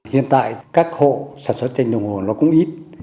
hiện tại các hộ sản xuất tranh đông hồ nó cũng ít